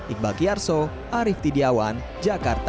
iqbal kiyarso arief tidiawan jakarta